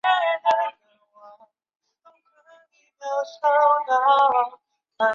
科贝特曾是一名纽约的装甲骑送兵。